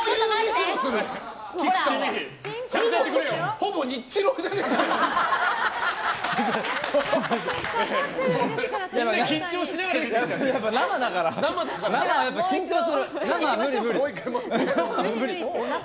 ほぼニッチローじゃないか。